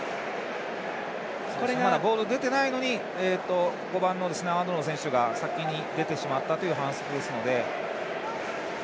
まだボール出てないのにアーノルド選手が先に出てしまったという反則ですので。